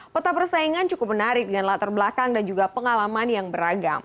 peta persaingan cukup menarik dengan latar belakang dan juga pengalaman yang beragam